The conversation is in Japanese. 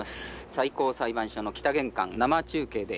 最高裁判所の北玄関生中継で。